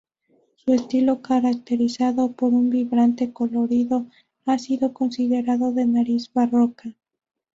Su estilo, caracterizado por un vibrante colorido, ha sido considerado de raíz barroca.